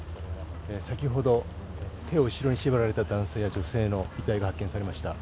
先ほど、手を後ろに縛られた男性や女性の遺体が発見されました。